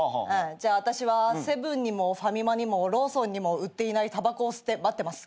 じゃあ私はセブンにもファミマにもローソンにも売っていないたばこを吸って待ってます。